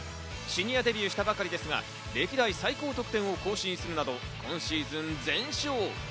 シニアデビューしたばかりですが、歴代最高得点を更新するなど、今シーズン全勝。